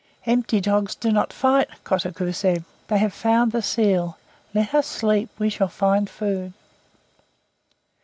"Empty dogs do not fight," Kotuko said. "They have found the seal. Let us sleep. We shall find food."